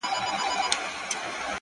د انسانیت سره دا یو قول کومه ځمه!